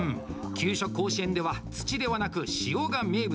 「給食甲子園」では土ではなく塩が名物。